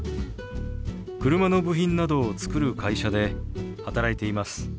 車の部品などを作る会社で働いています。